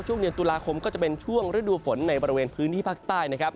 ช่วงเดือนตุลาคมก็จะเป็นช่วงฤดูฝนในบริเวณพื้นที่ภาคใต้นะครับ